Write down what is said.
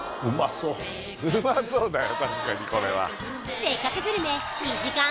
そううまそうだよ